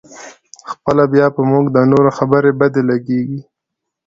خپله بیا په موږ د نورو خبرې بدې لګېږي.